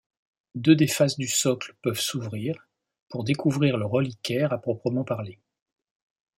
Deux des faces du socle peuvent s'ouvrir pour découvrir le reliquaire à proprement parler.